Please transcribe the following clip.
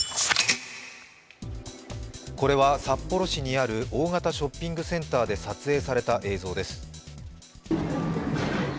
これは札幌市にある大型ショッピングセンターで撮影された映像です。